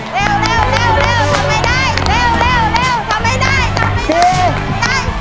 เร็วเร็วเร็วเร็วทำไม่ได้